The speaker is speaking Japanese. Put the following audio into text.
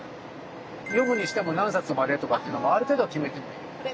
読むにしても何冊までとかっていうのをある程度決めてもいいですね。